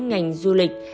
ngành du lịch